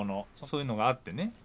そういうのがあってね。